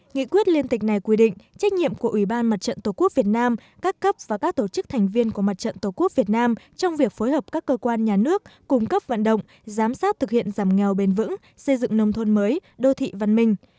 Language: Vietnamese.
nghị quyết liên tịch này quy định trách nhiệm của ủy ban mặt trận tổ quốc việt nam các cấp và các tổ chức thành viên của mặt trận tổ quốc việt nam trong việc phối hợp các cơ quan nhà nước cung cấp vận động giám sát thực hiện giảm nghèo bền vững xây dựng nông thôn mới đô thị văn minh